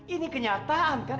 ini kenyataan kan